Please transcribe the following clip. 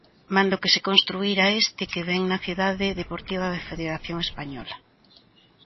Mando que se construira este que ven na Cidade Deportiva da Federación Española.